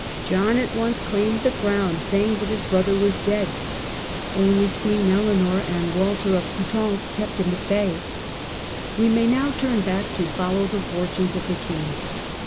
John at once claimed the crown, saying that his brother was dead. Only Queen Eleanor and Walter of Coutances kept him at bay. We may now turn back to follow the fortunes of the king.